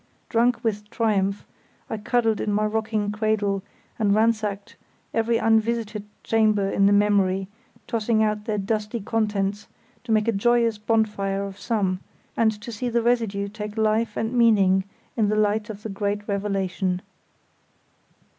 Drunk with triumph, I cuddled in my rocking cradle and ransacked every unvisited chamber of the memory, tossing out their dusty contents, to make a joyous bonfire of some, and to see the residue take life and meaning in the light of the great revelation.